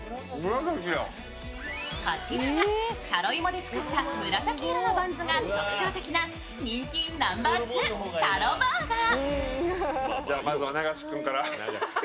こちらがタロイモで作った紫色のバンズが特徴的な人気ナンバーツー、タロバーガー。